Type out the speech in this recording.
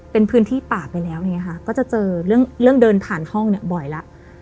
เป็นพื้นที่ป่าไปแล้วก็จะเจอเรื่องเดินผ่านห้องบ่อยแล้ว